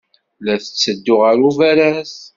La tetteddu ɣer ubaraz.